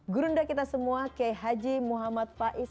gurunda kita semua ke haji muhammad faiz